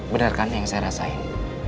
benar kan yang saya rasain